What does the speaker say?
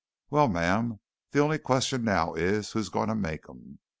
Well, ma'am, the only question now is who's going to make 'em?